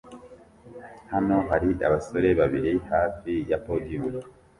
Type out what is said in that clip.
Hano hari abasore babiri hafi ya podium